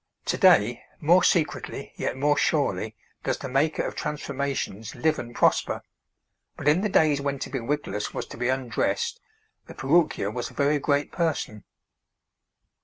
To day, more secretly yet more surely, does the maker of transformations live and prosper, but in the days when to be wigless was to be undressed the perruquier was a very great person.